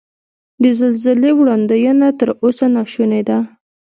د زلزلې وړاندوینه تر اوسه نا شونې ده.